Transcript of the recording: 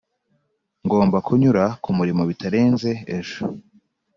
ngomba kunyura kumurimo bitarenze ejo.